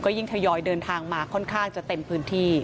ยิ่งทยอยเดินทางมาค่อนข้างจะเต็มพื้นที่